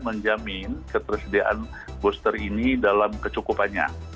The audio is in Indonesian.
menjamin ketersediaan booster ini dalam kecukupannya